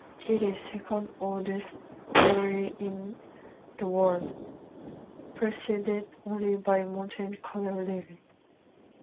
It is second-oldest rally in the world, preceded only by Monte Carlo Rally.